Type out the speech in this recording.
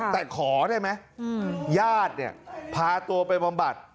แต่ขอได้ไหมญาติเนี่ยพาตัวไปบำบัด